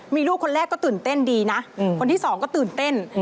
มีลูกคนแรกก็ตื่นเต้นดีนะคนที่สองก็ตื่นเต้น